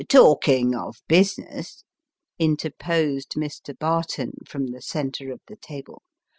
" Talking of business," interposed Mr. Barton, from the centre of the table.